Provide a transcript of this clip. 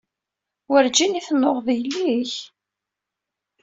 Werǧin i tennuɣeḍ yelli-k?